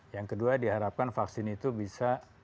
yang kedua diharapkan vaksin itu bisa